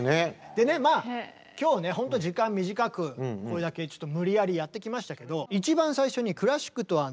でねまあ今日ね本当時間短くこれだけちょっと無理やりやってきましたけど。